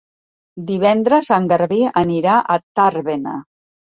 Divendres en Garbí anirà a Tàrbena.